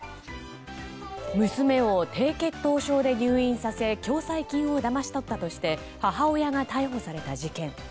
娘を低血糖症で入院させ共済金をだまし取ったとして母親が逮捕された事件。